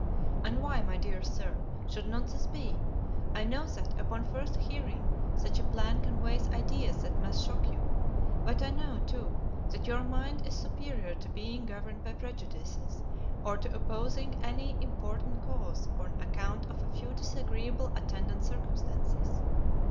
And why, my dear Sir, should not this be? I know that, upon first hearing, such a plan conveys ideas that must shock you; but I know, too, that your mind is superior to being governed by prejudices, or to opposing any important cause on account of a few disagreeable attendant circumstances.